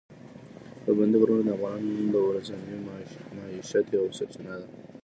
پابندي غرونه د افغانانو د ورځني معیشت یوه سرچینه ده.